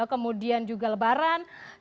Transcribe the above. kemudian juga lebaran